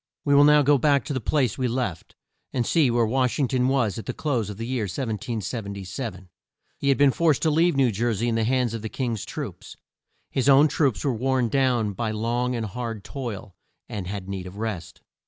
We will now go back to the place we left, and see where Wash ing ton was at the close of the year 1777. He had been forced to leave New Jer sey in the hands of the King's troops. His own troops were worn down by long and hard toil, and had need of rest.